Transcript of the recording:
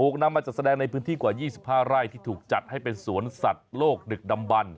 นำมาจัดแสดงในพื้นที่กว่า๒๕ไร่ที่ถูกจัดให้เป็นสวนสัตว์โลกดึกดำบัน